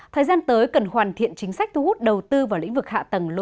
thời gian tới cần hoàn thiện chính sách thu hút đầu tư vào lĩnh vực hạ tầng logistics